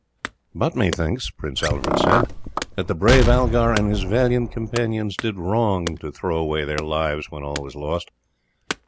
"But methinks," Prince Alfred said, "that the brave Algar and his valiant companions did wrong to throw away their lives when all was lost.